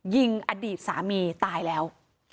ยิงอดีตสามีตายแล้ว